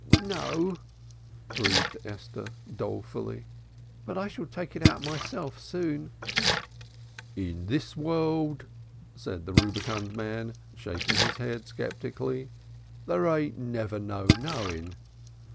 "No," breathed Esther dolefully. "But I shall take it out myself soon." "In this world," said the rubicund man, shaking his head sceptically, "there ain't never no knowing.